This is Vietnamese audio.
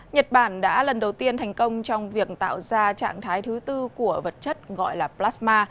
nhật bản đã lần đầu tiên thành công trong việc tạo ra trạng thái thứ tư của vật chất gọi là plasma